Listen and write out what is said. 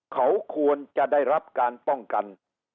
เขาควรจะได้รับการป้องกัน